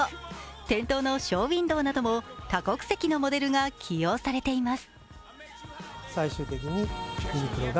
店頭のショーウインドウなども多国籍のモデルが起用されています。